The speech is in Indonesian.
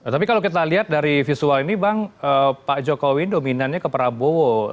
tapi kalau kita lihat dari visual ini bang pak jokowi dominannya ke prabowo